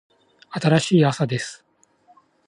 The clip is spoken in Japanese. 新しい朝です。